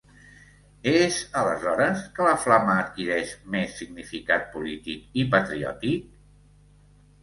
És aleshores que la flama adquireix més significat polític i patriòtic?